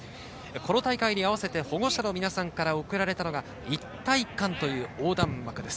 この大会に合わせて保護者の皆さんから送られたのが「一体感」という横断幕です。